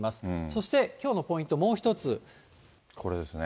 そして、きょうのポイント、これですね。